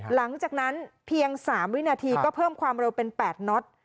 หลังจากนั้นเพียง๓วินาทีก็เพิ่มความเร็วเป็น๘น็อต